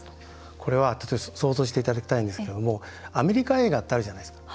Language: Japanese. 想像していただきたいんですがアメリカ映画ってあるじゃないですか。